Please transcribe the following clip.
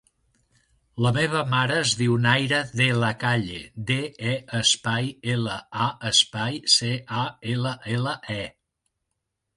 La meva mare es diu Nayra De La Calle: de, e, espai, ela, a, espai, ce, a, ela, ela, e.